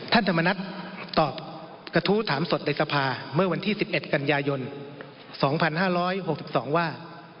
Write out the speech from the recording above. ธรรมนัฐตอบกระทู้ถามสดในสภาเมื่อวันที่๑๑กันยายน๒๕๖๒ว่า